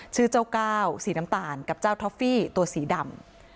ชื่อเจ้าก้าวสีน้ำตาลกับเจ้าท็อฟฟี่ตัวสีดำ